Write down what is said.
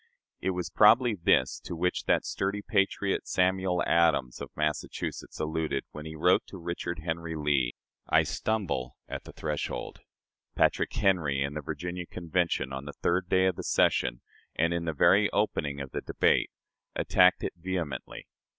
It was probably this to which that sturdy patriot, Samuel Adams, of Massachusetts, alluded, when he wrote to Richard Henry Lee, "I stumble at the threshold." Patrick Henry, in the Virginia Convention, on the third day of the session, and in the very opening of the debate, attacked it vehemently.